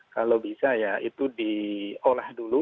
kalau bisa ya itu diolah dulu